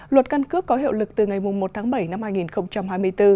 luật căn cước có hiệu lực từ ngày một tháng bảy năm hai nghìn hai mươi bốn